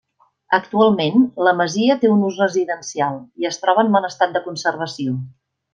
Actualment la masia té un ús residencial i es troba en bon estat de conservació.